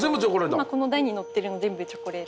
今この台に乗ってるの全部チョコレート。